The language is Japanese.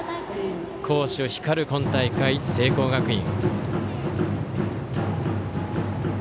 好守光る今大会、聖光学院。